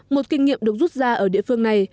một kinh nghiệm được rút ra ở địa phương này